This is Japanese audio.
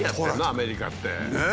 アメリカって。ねえ！